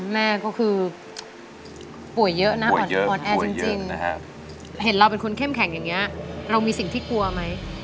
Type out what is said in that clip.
แม่ก็คือป่วยเยอะนะอ่อนแอจริงเห็นเราเป็นคนเข้มแข็งอย่างนี้เรามีสิ่งที่กลัวไหม